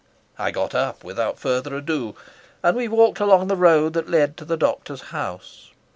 I got up without further ado, and we walked along the road that led to the doctor's house.